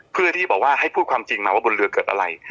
เพื่อที่บอกว่าให้พูดความจริงมาว่าบนเรือเกิดอะไร